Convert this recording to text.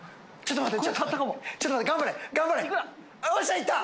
よっしゃいった！